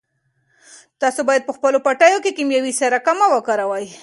تاسو باید په خپلو پټیو کې کیمیاوي سره کمه وکاروئ.